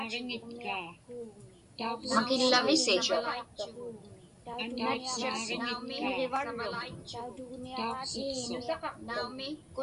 Makillavisi?